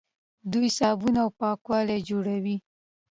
دوی صابون او پاکوونکي جوړوي.